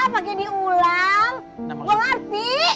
pakai diulang gue ngerti